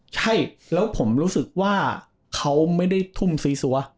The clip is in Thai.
ใช่แล้วผมรู้สึกว่าเขาไม่ได้ทุ่มซีซัว